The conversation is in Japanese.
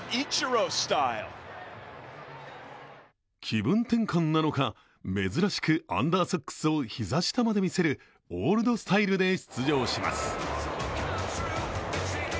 気分転換なのか珍しくアンダーソックスを膝下まで見せるオールドスタイルで出場します。